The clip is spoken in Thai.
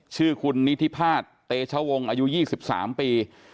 ชื่อคุณนิธิพาสเตชวงศ์อายุ๒๓ปี